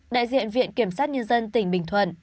đại diện viện kiểm sát nhân dân tỉnh bình thuận